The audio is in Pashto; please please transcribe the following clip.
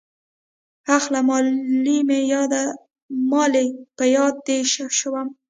اخله مالې په ياده دې شوم.